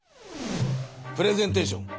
プレゼンテーション。